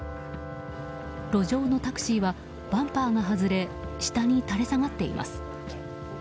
路上のタクシーはバンパーが外れ下に垂れ下がっています。